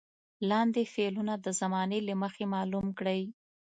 لاندې فعلونه د زمانې له مخې معلوم کړئ.